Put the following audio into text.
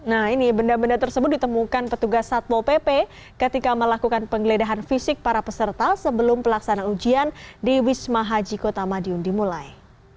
nah ini benda benda tersebut ditemukan petugas satpol pp ketika melakukan penggeledahan fisik para peserta sebelum pelaksanaan ujian di wisma haji kota madiun dimulai